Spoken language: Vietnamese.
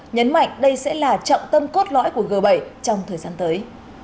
nhấn mạnh đây sẽ là trọng tâm cốt lõi của g bảy trong thời gian tới